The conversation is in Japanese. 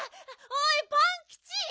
おいパンキチ！